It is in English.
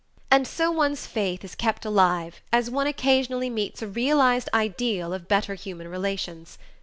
And so one's faith is kept alive as one occasionally meets a realized ideal of better human relations.